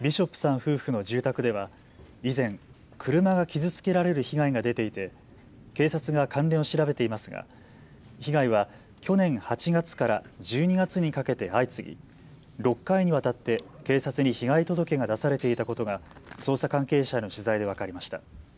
夫婦の住宅では以前、車が傷つけられる被害が出ていて警察が関連を調べていますが被害は去年８月から１２月にかけて相次ぎ６回にわたって警察に被害届が出されていたことが捜査関係者への取材で分かりました。